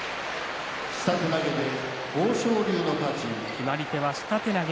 決まり手は下手投げ。